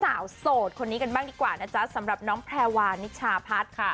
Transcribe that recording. โสดคนนี้กันบ้างดีกว่านะจ๊ะสำหรับน้องแพรวานิชาพัฒน์ค่ะ